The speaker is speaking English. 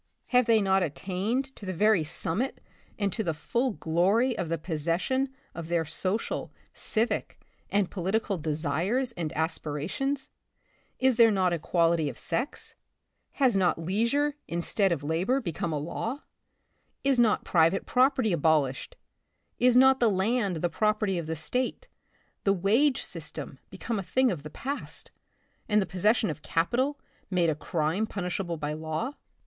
Have they not attained to the very summit and to the full glory of the possession of their social, civic and political desires and aspirations? Is there not equality of sex? Has not leisure instead of labor be / 62 Thi Republic of the Future. come a law ? Is not private property abolished — is not the land the property of the State — the wage'system become a thing of the past, and the possession of capital made a crime punishable bylaw?